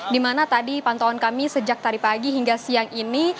dimana tadi pantauan kami sejak tadi pagi hingga siang ini